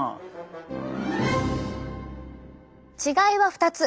違いは２つ。